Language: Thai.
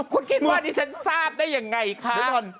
คุณคิดว่าดิฉันทราบได้ยังไงคะ